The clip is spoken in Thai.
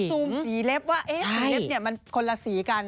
ซูมสีเล็บว่าสีเล็บเนี่ยมันคนละสีกัน